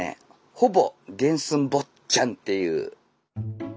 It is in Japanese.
ほぼ原寸坊っちゃんっていう。